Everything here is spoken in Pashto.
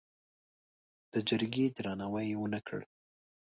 د جرګې درناوی یې ونه کړ.